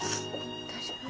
大丈夫？